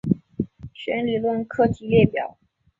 弦理论课题列表。